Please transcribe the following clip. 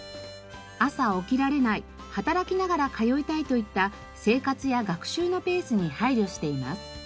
朝起きられない働きながら通いたいといった生活や学習のペースに配慮しています。